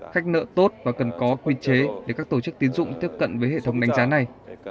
khách nợ tốt và cần có quy chế để các tổ chức tiến dụng tiếp cận với hệ thống đánh giá này